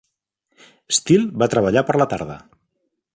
Steele va treballar per la tarda.